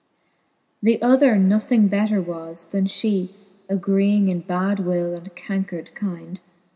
The other nothing better was, then fhee ; Agreeing in bad will and cancred kynd.